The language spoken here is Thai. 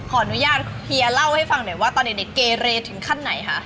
ขออนุญาตเฮียเล่าให้ฟังหน่อยว่าตอนเด็กเกเรถึงขั้นไหนคะ